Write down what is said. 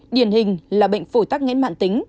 điển hình là bệnh phổi tắc ngến mạng tính